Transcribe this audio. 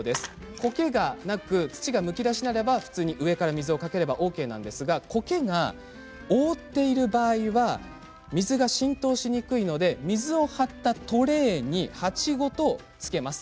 こけがなく土がむき出しならば上から水をかければＯＫなんですが、こけが覆っている場合は水が浸透しにくいので水を張ったトレーに鉢ごとつけます。